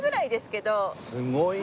すごいな。